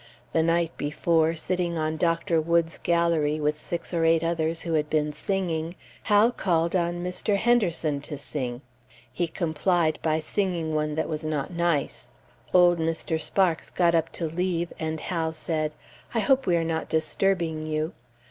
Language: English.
The night before, sitting on Dr. Woods's gallery, with six or eight others who had been singing, Hal called on Mr. Henderson to sing. He complied by singing one that was not nice. Old Mr. Sparks got up to leave, and Hal said, "I hope we are not disturbing you?"